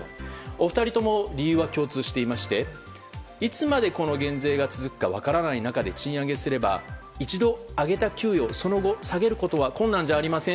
お二人とも理由は共通していましていつまで、この減税が続くか分からない中で賃上げすれば一度上げた給与をその後、下げることは困難じゃありません？